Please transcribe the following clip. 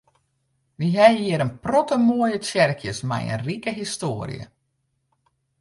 Wy ha hjir in protte moaie tsjerkjes mei in rike histoarje.